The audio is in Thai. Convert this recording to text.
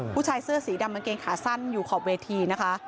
ผู้ชายเสื้อสีดำกางเกงขาสั้นอยู่ขอบเวทีนะคะ